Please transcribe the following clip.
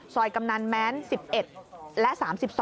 กำนันแม้น๑๑และ๓๒